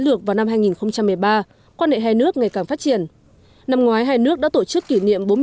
lược vào năm hai nghìn một mươi ba quan hệ hai nước ngày càng phát triển năm ngoái hai nước đã tổ chức kỷ niệm